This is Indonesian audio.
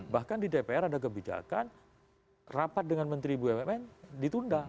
bahkan di dpr ada kebijakan rapat dengan menteri bumn ditunda